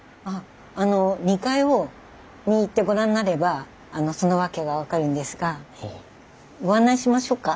あの２階に行ってご覧になればその訳が分かるんですがご案内しましょうか？